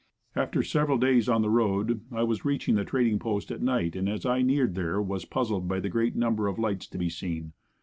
After several days on the road I was reaching the trading post at night and as I neared there, was puzzled by the great number of lights to be seen.